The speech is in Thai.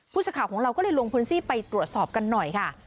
สักข่าวของเราก็เลยลงพื้นที่ไปตรวจสอบกันหน่อยค่ะ